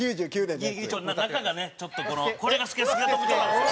中がねちょっとこの透け透けが特徴なんですよ。